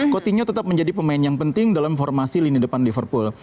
coutinho tetap menjadi pemain yang penting dalam formasi lini depan liverpool